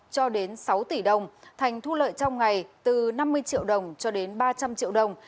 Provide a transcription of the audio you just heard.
cho đến sáu tỷ đồng thành thu lợi trong ngày từ năm mươi triệu đồng cho đến ba trăm linh triệu đồng